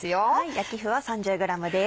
焼き麩は３０ｇです。